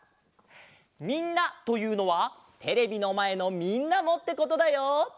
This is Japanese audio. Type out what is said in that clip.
みんなというのはテレビのまえのみんなもってことだよ！